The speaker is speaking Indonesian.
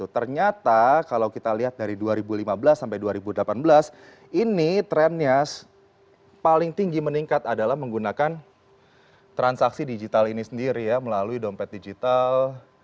ternyata kalau kita lihat dari dua ribu lima belas sampai dua ribu delapan belas ini trennya paling tinggi meningkat adalah menggunakan transaksi digital ini sendiri ya melalui dompet digital